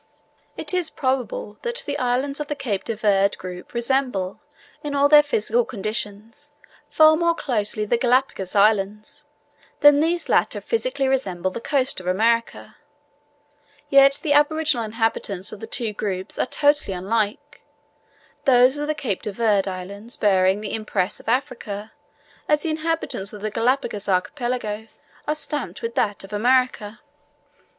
It is probable that the islands of the Cape de Verd group resemble, in all their physical conditions, far more closely the Galapagos Islands, than these latter physically resemble the coast of America, yet the aboriginal inhabitants of the two groups are totally unlike; those of the Cape de Verd Islands bearing the impress of Africa, as the inhabitants of the Galapagos Archipelago are stamped with that of America.